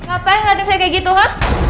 apa saja disini disegari tuh ha